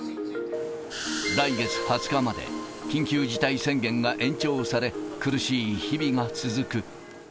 来月２０日まで、緊急事態宣言が延長され、苦しい日々が続く。